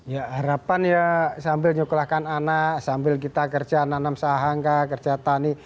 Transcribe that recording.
ya harapan ya sambil nyoklahkan anak sambil kita kerja nanam sahang kak kerja tani